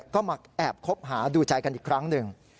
ก็มาแอบคบหาดูใจกันอีกครั้งหนึ่ง